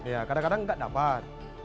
ya kadang kadang nggak dapat